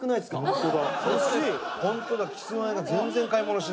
ホントだ。